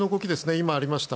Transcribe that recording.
今、ありました